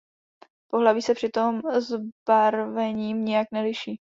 Pohlaví se přitom zbarvením nijak neliší.